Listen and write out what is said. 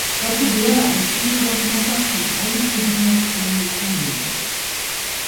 Dazu wäre ein Spiegeldurchmesser von einigen hundert Kilometer nötig.